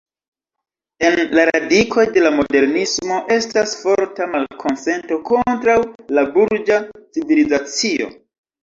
En la radikoj de la Modernismo estas forta malkonsento kontraŭ la burĝa civilizacio.